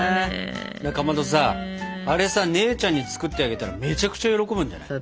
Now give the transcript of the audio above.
かまどさあれさ姉ちゃんに作ってあげたらめちゃくちゃ喜ぶんじゃない？